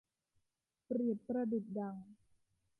เปรียบประดุจดัง